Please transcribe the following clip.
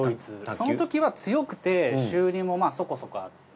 そのときは強くて収入もそこそこあって。